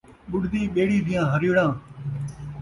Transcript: ٻُݙدی ٻیڑی دیاں ہریڑاں